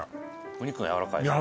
お肉がやわらかいです